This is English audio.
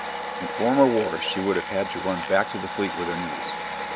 In former wars she would have had to run back to the fleet with her news.